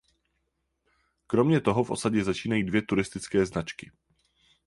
Kromě toho v osadě začínají dvě turistické značky.